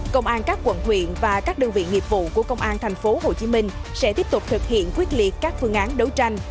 công an các quận huyện và các đơn vị nghiệp vụ của công an tp hcm sẽ tiếp tục thực hiện quyết liệt các phương án đấu tranh